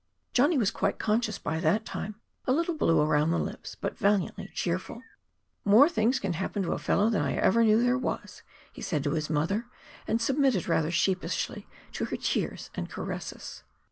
Johnny was quite conscious by that time, a little blue around the lips, but valiantly cheerful. "More things can happen to a fellow than I ever knew there was!" he said to his mother, and submitted rather sheepishly to her tears and caresses.